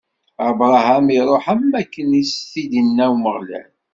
Abṛaham iṛuḥ, am wakken i s-t-id-inna Umeɣlal.